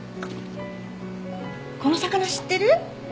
この魚知ってる？